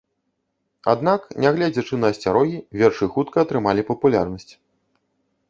Аднак, нягледзячы на асцярогі, вершы хутка атрымалі папулярнасць.